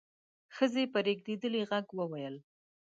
ښځې په رېږدېدلي غږ وويل: